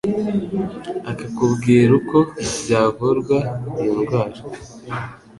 akakubwira uko byavurwa iyo ndwara